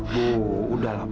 bu udah lah